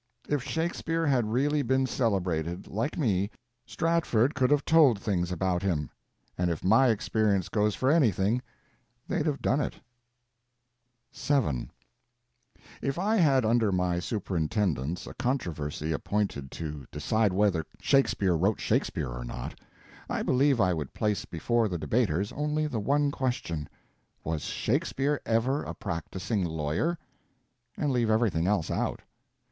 If Shakespeare had really been celebrated, like me, Stratford could have told things about him; and if my experience goes for anything, they'd have done it. Four fathoms—twenty four feet. VII If I had under my superintendence a controversy appointed to decide whether Shakespeare wrote Shakespeare or not, I believe I would place before the debaters only the one question, was shakespeare ever a practicing lawyer? and leave everything else out.